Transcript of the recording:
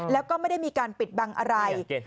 แล้วก็ไม่ได้มีการปิดบังอะไร